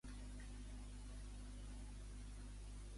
Creu que cap s'oposa a molts com gens s'oposa a molt.